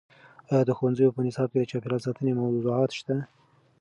ایا د ښوونځیو په نصاب کې د چاپیریال ساتنې موضوعات شته؟